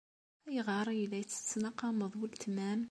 Ayɣer ay la tettnaqameḍ weltma-m?